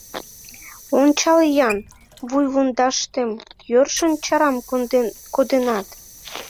— Ончал-ян, вуйвундаштем йӧршын чарам коденат.